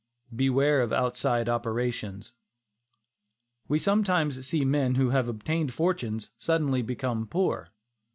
BEWARE OF "OUTSIDE OPERATIONS." We sometimes see men who have obtained fortunes, suddenly become poor.